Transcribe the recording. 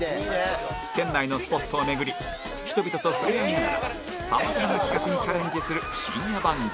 県内のスポットを巡り人々と触れ合いながらさまざまな企画にチャレンジする深夜番組